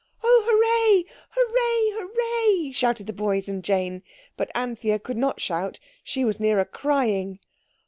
"Oh, hooray! hooray! hooray!" shouted the boys and Jane. But Anthea could not shout, she was nearer crying.